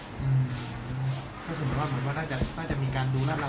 สมมุติว่ามันก็น่าจะมีการดูร่านเรา